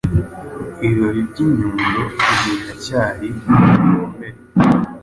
Ibibabi byinyundo ibyo biracyari mubikomere